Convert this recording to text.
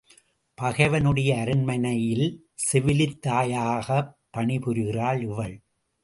பகைவனுடைய அரண்மனையில் செவிலித் தாயாகப் பணிபுரிகிறாள் இவள்.